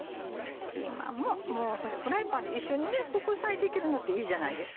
ピーマンもフライパンで一緒に副菜できるのっていいじゃないですか。